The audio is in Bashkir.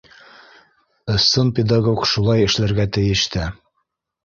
Ысын педагог шулай эшләргә тейеш тә.